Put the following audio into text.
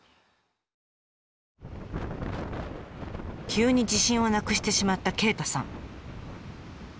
急に自信をなくしてしまった鯨太さん。